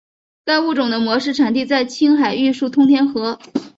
该物种的模式产地在青海玉树通天河。